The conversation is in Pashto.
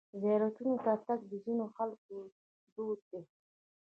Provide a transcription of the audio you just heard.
زیارتونو ته تګ د ځینو خلکو دود دی.